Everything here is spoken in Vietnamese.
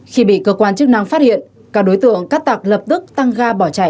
khi bị cơ quan chức năng phát hiện các đối tượng cát tạc lập tức tăng ga bỏ chạy